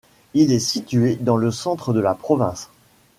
Il est situé dans le centre de la province.